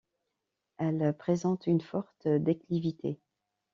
Elle présente une forte déclivité.